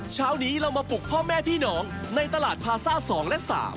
เช้านี้เรามาปลุกพ่อแม่พี่น้องในตลาดพาซ่า๒และ๓